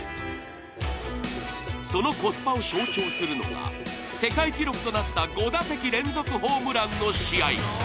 そのコスパを象徴するのが世界記録となった５打席連続ホームランの試合。